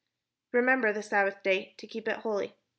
"Remember the sabbath day, to keep it holy.